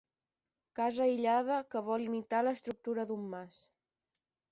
Casa aïllada que vol imitar l'estructura d'un mas.